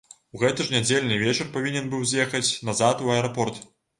У гэты ж нядзельны вечар павінен быў з'ехаць назад у аэрапорт.